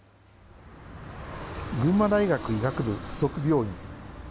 群馬大学医学部附属病院。